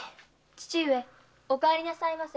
父上お帰りなさいませ。